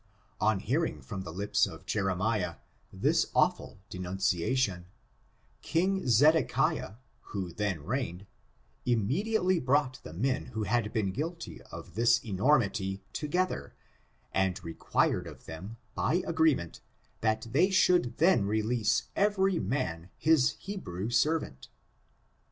On hearing from the lips of Jeremiah this awful denunciation, king Zedekiah, who then reigned, im mediately brought the men who had been guilty of this enormity together, and required of them, by agreement J that they should then release, every man his Hebrew servant.